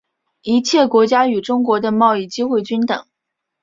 一切国家与中国的贸易机会均等。